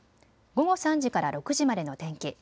午後３時から６時までの天気。